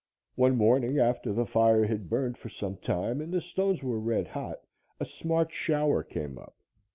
One morning, after the fire had burned for some time and the stones were red hot, a smart shower came up.